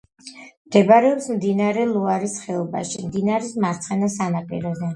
მდებარეობს მდინარე ლუარის ხეობაში, მდინარის მარცხენა ნაპირზე.